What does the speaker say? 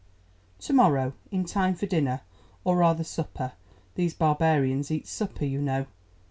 "To morrow, in time for dinner, or rather supper: these barbarians eat supper, you know.